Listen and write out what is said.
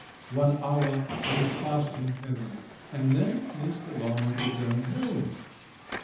One hour I passed in heaven, and then Mr. Valmont returned home.